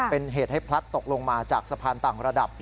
เป็นเหตุให้พลัดตกลงมาจากสะพานต่างระดับ